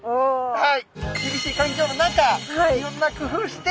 はい。